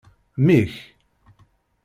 Mmi-k.